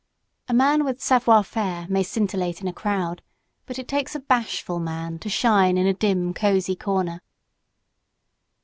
A man with savoir faire may scintillate in a crowd, but it takes a "bashful man" to shine in a dim cozy corner.